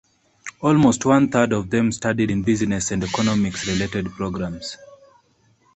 Almost one third of them studied in business and economics related programs.